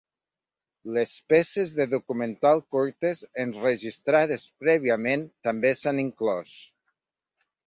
Les peces de documental curtes enregistrades prèviament també s'han inclòs.